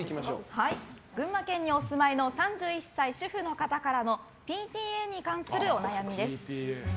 群馬県にお住まいの３１歳主婦の方からＰＴＡに関するお悩みです。